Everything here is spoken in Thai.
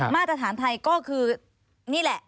มาตรฐานไทยก็คือนี่แหละ